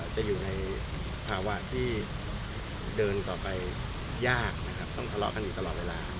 จะอยู่ในภาวะที่เดินต่อไปยากนะครับต้องทะเลาะกันอยู่ตลอดเวลา